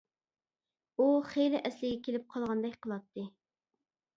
ئۇ خېلى ئەسلىگە كېلىپ قالغاندەك قىلاتتى.